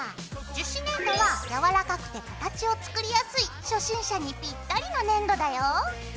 樹脂粘土は柔らかくて形を作りやすい初心者にぴったりの粘土だよ。